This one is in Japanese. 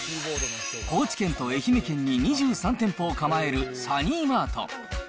高知県と愛媛県に２３店舗を構えるサニーマート。